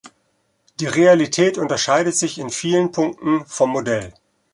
Die Realität unterscheidet sich in vielen Punkten vom Modell.